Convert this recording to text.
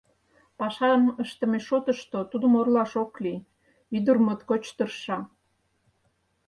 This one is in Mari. Пашам ыштыме шотышто тудым орлаш ок лий, ӱдыр моткоч тырша.